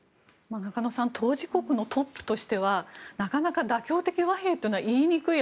中野さん当事国のトップとしてはなかなか妥協的和平とは言いにくい。